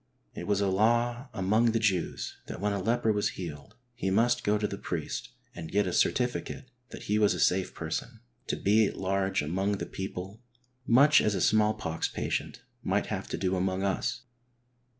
It was a law among the Jews that when a leper was healed, lie must go to the priest and get a certificate that he was a safe person iS HEART TALKS ON HOLINESS. to be at large among the people, much as a smallpox patient might have to do among us.